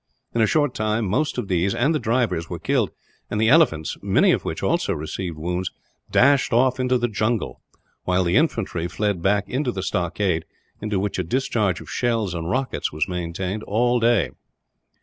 In a short time most of these and the drivers were killed; and the elephants many of which also had received wounds dashed off into the jungle, while the infantry fled back into the stockade, into which a discharge of shells and rockets was maintained, all day.